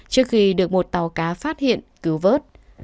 trước khi được một tàu cá phát hiện cứu vớt